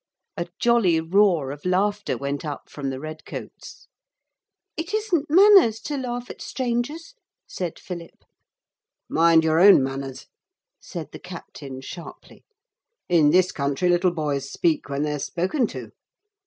A jolly roar of laughter went up from the red coats. 'It isn't manners to laugh at strangers,' said Philip. 'Mind your own manners,' said the captain sharply; 'in this country little boys speak when they're spoken to.